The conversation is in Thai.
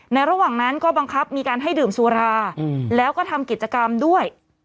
ระหว่างนั้นก็บังคับมีการให้ดื่มสุราแล้วก็ทำกิจกรรมด้วย